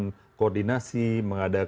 lalu bersinergi dengan baik sering mengadakan